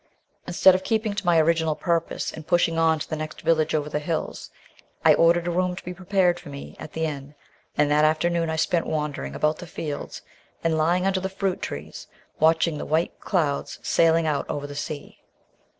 Instead of keeping to my original purpose and pushing on to the next village over the hills, I ordered a room to be prepared for me at the inn, and that afternoon I spent wandering about the fields and lying under the fruit trees, watching the white clouds sailing out over the sea.